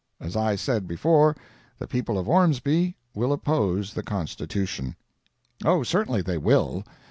As I said before, the people of Ormsby will oppose the Constitution. O, certainly they will!